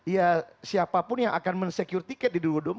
ya siapapun yang akan mensecure tiket di dua ribu dua puluh empat